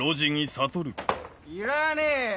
いらねえよ